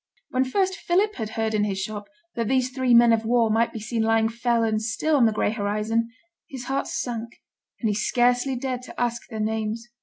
When first Philip had heard in his shop that these three men of war might be seen lying fell and still on the gray horizon, his heart sank, and he scarcely dared to ask their names.